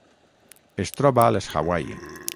Es troba a les Hawaii.